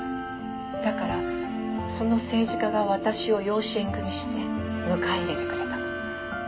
だからその政治家が私を養子縁組して迎え入れてくれたの。